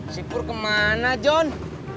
sipur kemana john